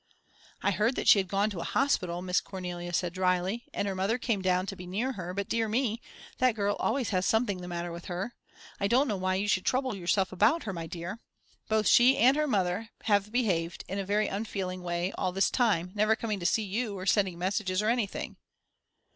"I heard that she had gone to a hospital," Miss Cornelia said, dryly, "and her mother came down to be near her but dear me, that girl always has something the matter with her! I don't know why you should trouble yourself about her, my dear. Both she and her mother have behaved in a very unfeeling way all this time, never coming to see you, or sending messages, or anything."